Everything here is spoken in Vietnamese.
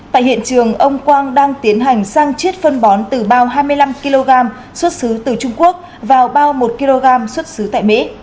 tại hiện trường ông quang đang tiến hành sang chiết phân bón từ bao hai mươi năm kg xuất xứ từ trung quốc vào bao một kg xuất xứ tại mỹ